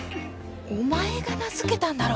お前が名付けたんだろ。